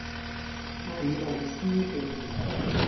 米路斯徑